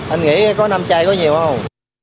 anh nghĩ có năm chai có nhiều không